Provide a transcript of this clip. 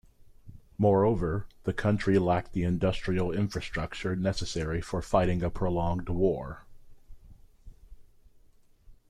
Moreover, the country lacked the industrial infrastructure necessary for fighting a prolonged war.